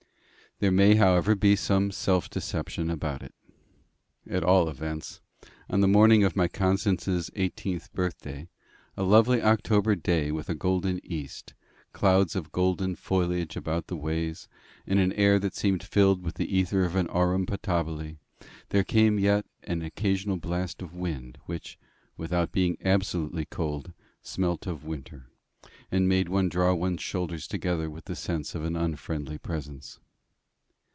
There may, however, be some self deception about it. At all events, on the morning of my Constance's eighteenth birthday, a lovely October day with a golden east, clouds of golden foliage about the ways, and an air that seemed filled with the ether of an aurum potabile, there came yet an occasional blast of wind, which, without being absolutely cold, smelt of winter, and made one draw one's shoulders together with the sense of an unfriendly presence.